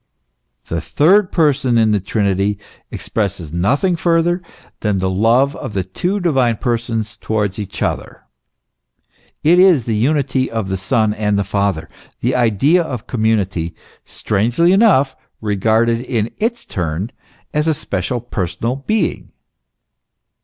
The third person in the Trinity expresses nothing further than the love of the two divine Persons towards each other ; it is the unity of the Son and the Father, the idea of community, strangely enough regarded in its turn as* a special personal being.